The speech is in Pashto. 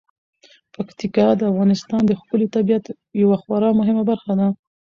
پکتیکا د افغانستان د ښکلي طبیعت یوه خورا مهمه برخه ده.